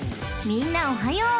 ［みんなおはよう。